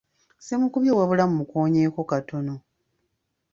Simukubye wabula mmukoonyeko katono.